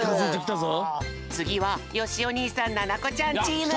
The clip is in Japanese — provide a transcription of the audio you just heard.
つぎはよしお兄さんななこちゃんチーム！